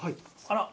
あら！